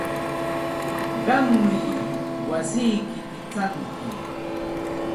Qammi wasiyki pichanki.